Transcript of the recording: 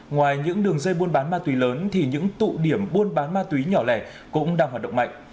ngoài những đường dây buôn bán ma túy lớn thì những tụ điểm buôn bán ma túy nhỏ lẻ cũng đang hoạt động mạnh